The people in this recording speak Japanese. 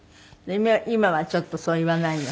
今はちょっとそう言わないの？